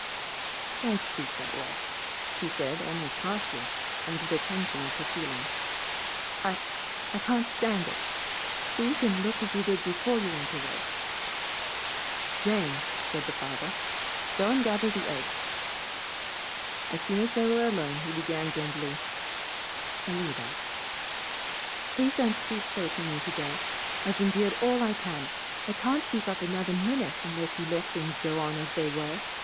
"Don't speak that way," she said, almost harshly, under the tension of her feelings. "I I can't stand it. Speak and look as you did before you went away." "Jane," said the farmer, "go and gather the eggs." As soon as they were alone, he began gently, "Alida " "Please don't speak so to me today. I've endured all I can. I can't keep up another minute unless you let things go on as they were.